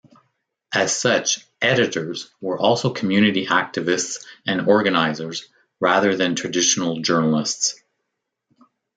As such, "editors" were also community activists and organizers rather than traditional journalists.